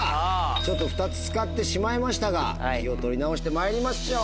ちょっと２つ使ってしまいましたが気を取り直してまいりましょう。